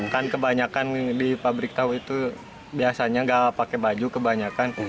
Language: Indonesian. kan kebanyakan di pabrik tahu itu biasanya nggak pakai baju kebanyakan